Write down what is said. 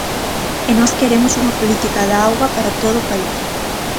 E nós queremos unha política da auga para todo o país.